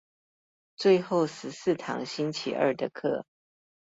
最後十四堂星期二的課